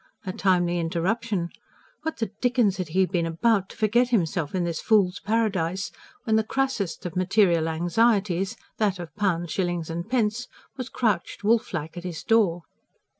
A timely interruption! What the dickens had he been about, to forget himself in this fool's paradise, when the crassest of material anxieties that of pounds, shillings and pence was crouched, wolf like, at his door?